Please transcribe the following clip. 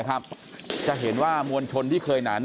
คุณภูริพัฒน์บุญนิน